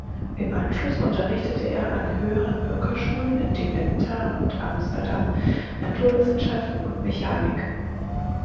Im Anschluss unterrichtete er an Höheren Bürgerschulen in Deventer und Amsterdam Naturwissenschaften und Mechanik.